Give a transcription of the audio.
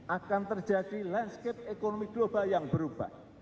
akan terjadi landscape ekonomi global yang berubah